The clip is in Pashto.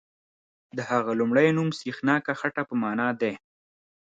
د هغه لومړی نوم سریښناکه خټه په معنا دی.